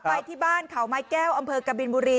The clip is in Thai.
ไปที่บ้านเขาไม้แก้วอำเภอกบินบุรี